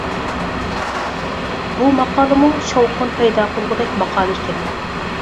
بۇ ماقالىمۇ شاۋقۇن پايدا قىلغۇدەك ماقالە ئىكەن.